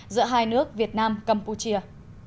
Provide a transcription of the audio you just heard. giữa hai nước việt nam campuchia